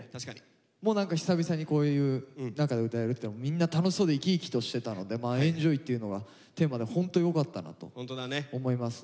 もう何か久々にこういう中で歌えるってみんな楽しそうで生き生きとしてたのでまあ「ＥＮＪＯＹ」っていうのがテーマでホントよかったなと思いますね。